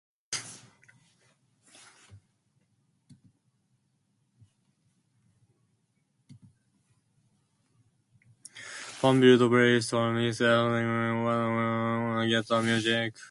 Fan-built playlists and mixes are taking over the way people get their music.